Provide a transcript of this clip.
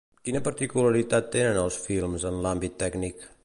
Quina particularitat tenen els films en l'àmbit tècnic?